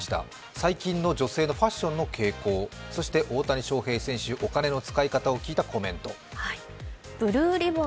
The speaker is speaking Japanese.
最近の女性のファッションの傾向、大谷翔平選手、お金の使い方を聞いたコメント。